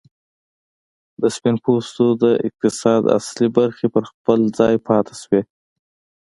د سپین پوستو د اقتصاد اصلي برخې پر خپل ځای پاتې شوې.